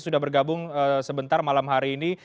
sudah bergabung sebentar malam hari ini